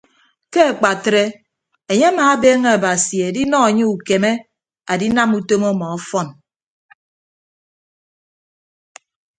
Ke akpatre enye amaabeeñe abasi edinọ anye ukeme adinam utom ọmọ ọfọn.